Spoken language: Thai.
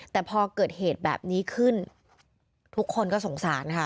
แต่พอเกิดเหตุแบบนี้ขึ้นทุกคนก็สงสารค่ะ